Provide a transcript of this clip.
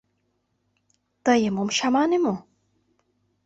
Тыйым ом чамане мо?